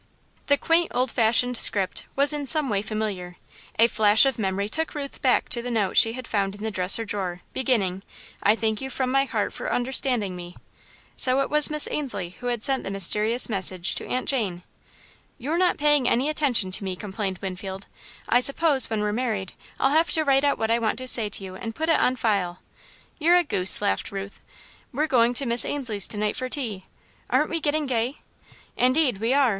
The quaint, old fashioned script was in some way familiar. A flash of memory took Ruth back to the note she had found in the dresser drawer, beginning: "I thank you from my heart for understanding me." So it was Miss Ainslie who had sent the mysterious message to Aunt Jane. "You're not paying any attention to me," complained Winfield. "I suppose, when we're married, I'll have to write out what I want to say to you, and put it on file." "You're a goose," laughed Ruth. "We're going to Miss Ainslie's to night for tea. Aren't we getting gay?" "Indeed we are!